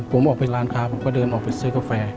ผมออกไปร้านค้าผมก็เดินออกไปซื้อกาแฟ